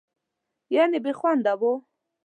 یعنې بېخونده وه.